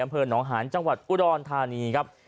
บ้านหงหานจังหวัดอุดรธานีครับ